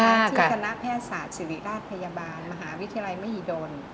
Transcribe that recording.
ที่คณะแพทยศาสตร์ศิริราชพยาบาลมหาวิทยาลัยมหิดล